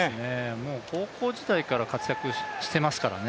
もう高校時代から活躍してますからね。